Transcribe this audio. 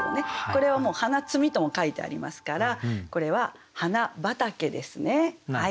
これはもう「花摘み」とも書いてありますからこれは「花畑」ですね。